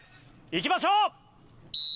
いきましょう。